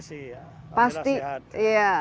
ya apa kabar sih